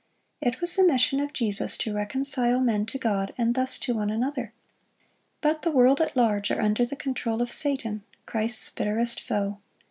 It was the mission of Jesus to reconcile men to God, and thus to one another. But the world at large are under the control of Satan, Christ's bitterest foe.